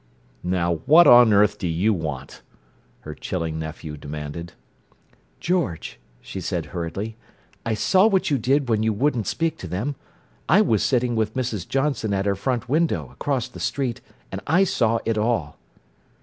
"Now, what on earth do you want?" her chilling nephew demanded. "George," she said hurriedly, "I saw what you did when you wouldn't speak to them. I was sitting with Mrs. Johnson at her front window, across the street, and I saw it all."